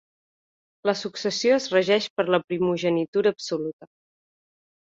La successió és regeix per la primogenitura absoluta.